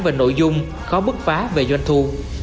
về nội dung khó bức phá về doanh thu